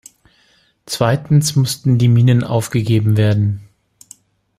Zweitens mussten die Minen aufgegeben werden.